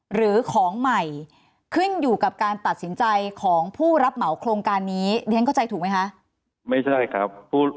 หรือของใหม่ขึ้นอยู่กับการตัดสินใจของผู้รับเหมาโครงการนี้เรียนเข้าใจถูกไหมคะไม่ใช่ครับ